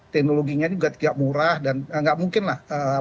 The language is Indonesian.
teknologinya juga tidak murah dan nggak mungkin lah